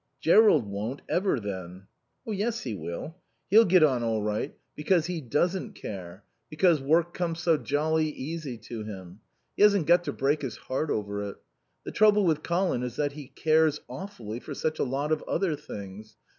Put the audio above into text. "Jerrold won't, ever, then." "Oh yes he will. He'll get on all right, because he doesn't care; because work comes so jolly easy to him. He hasn't got to break his heart over it.... The trouble with Colin is that he cares, awfully, for such a lot of other things.